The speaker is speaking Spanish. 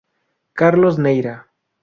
Carlos Neira.